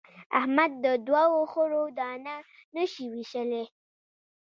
احمد د دوو خرو دانه نه شي وېشلای.